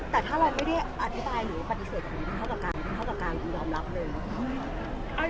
แต่ถ้าเราไม่ได้อธิบายหรือปฏิเสธของนี้เท่ากับการรับรับเรื่อง